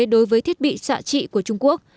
đối với thiết bị xạ trị của trung quốc